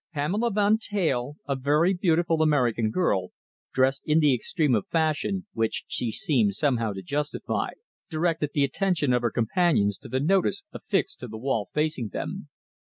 Pamela Van Teyl, a very beautiful American girl, dressed in the extreme of fashion, which she seemed somehow to justify, directed the attention of her companions to the notice affixed to the wall facing them.